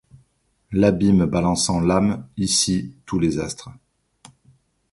L’abîme balançant l’âme ; ici tous les astres